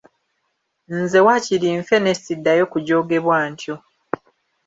Nze waakiri nfe ne siddayo kujoogebwa ntyo.